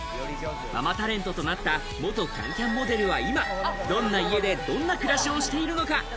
ママタレントとなった元『ＣａｎＣａｍ』モデルは今、どんな家で、どんな暮らしをしているのか。